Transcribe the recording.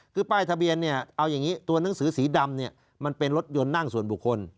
คือป้ายทะเบียนเนี่ยเอาอย่างนี้ตัวหนังสือสีดำเนี่ยมันเป็นรถยนต์นั่งส่วนบุคคล